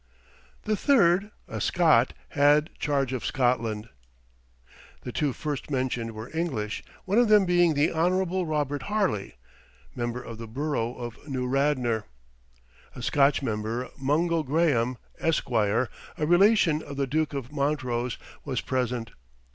The third, a Scot, had charge of Scotland. The two first mentioned were English, one of them being the Honourable Robert Harley, Member for the borough of New Radnor. A Scotch member, Mungo Graham, Esquire, a relation of the Duke of Montrose, was present.